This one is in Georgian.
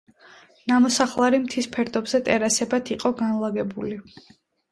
ნამოსახლარი მთის ფერდობზე ტერასებად იყო განლაგებული.